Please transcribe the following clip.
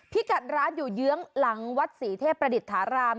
พี่กัดร้านอยู่เยื้องหลังวัดศรีเทพประดิษฐาราม